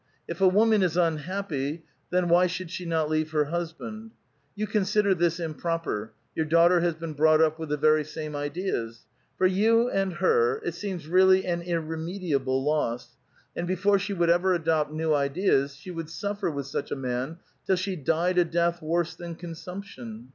If a woman is unhappy, then why should she not leave her husband? You consider this improper : your daughter has been brouglit np with the very same ideas ; for you and her it seems really an irremediable loss, and before she would ever adopt new ideas, she would suffer with such a man till she died a death worse than consumption.